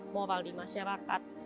moral di masyarakat